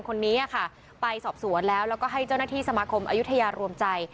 คนนี้ค่ะไปสอบสวนแล้วแล้วก็ให้เจ้าหน้าที่สมาคมอายุทยารวมใจ